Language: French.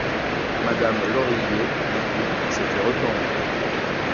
Madame Lorilleux, du coup, s'était retournée.